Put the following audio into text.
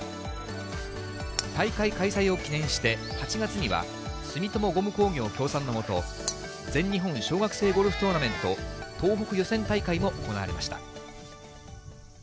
大会開催を記念して、８月には、住友ゴム工業協賛のもと、全日本小学生ゴルフトーナメント東北予選大会も行われました。